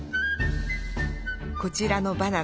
こちらのバナナ